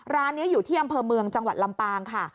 ร้านนี้อยู่ที่อำเภอเมืองจังหวัดลำปางค่ะ